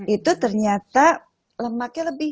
itu ternyata lemaknya lebih